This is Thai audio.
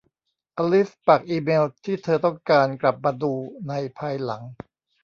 อลิซปักอีเมล์ที่เธอต้องการกลับมาดูในภายหลัง